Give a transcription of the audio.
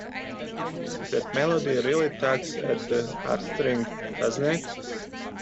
That melody really tugs at the heartstrings, doesn't it?